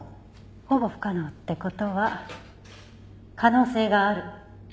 「ほぼ不可能」って事は可能性がある。